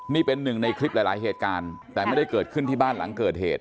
นี่เป็นหนึ่งในคลิปหลายเหตุการณ์แต่ไม่ได้เกิดขึ้นที่บ้านหลังเกิดเหตุ